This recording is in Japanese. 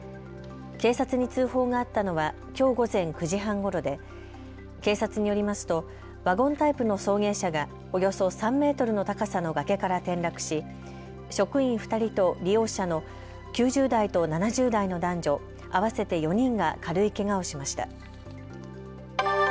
警察に通報があったのはきょう午前９時半ごろで警察によりますとワゴンタイプの送迎車がおよそ３メートルの高さの崖から転落し職員２人と利用者の９０代と７０代の男女合わせて４人が軽いけがをしました。